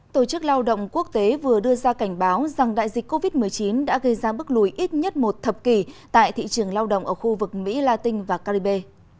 tổ chức lao động quốc tế vừa đưa ra cảnh báo rằng đại dịch covid một mươi chín đã gây ra bước lùi ít nhất một thập kỷ tại thị trường lao động ở khu vực mỹ latin và caribe